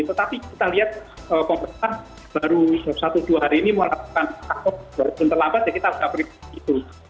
tetapi kita lihat pemerintah baru satu dua hari ini melakukan walaupun terlambat ya kita sudah beribadah itu